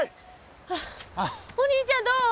はあお兄ちゃんどう？